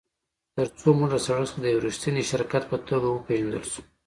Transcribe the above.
ترڅو موږ له سړک څخه د یو ریښتیني شرکت په توګه وپیژندل شو